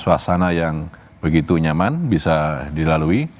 suasana yang begitu nyaman bisa dilalui